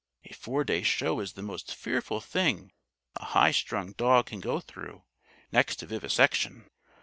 A four day show is the most fearful thing a high strung dog can go through next to vivisection.